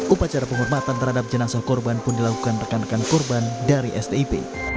upacara penghormatan terhadap jenazah korban pun dilakukan rekan rekan korban dari stip